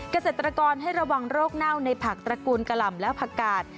เกษตรกรให้ระวังโรคเน่าในผักตระกูลกะหล่ำและผักกาด